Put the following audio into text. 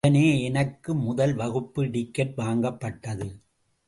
உடனே எனக்கு முதல் வகுப்பு டிக்கெட் வாங்கப்பட்டது.